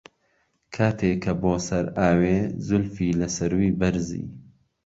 کاتێ کە بۆ سەر ئاوێ، زولفی لە سەرووی بەرزی